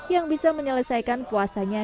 yang bisa menyelesaikan puasanya